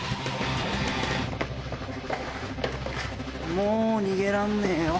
もう逃げらんねえよ。